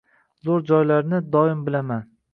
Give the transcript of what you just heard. Zo‘r joylarni doim bilaman.